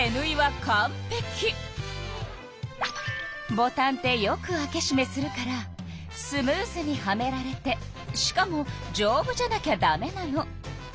ボタンってよく開けしめするからスムーズにはめられてしかもじょうぶじゃなきゃダメなの。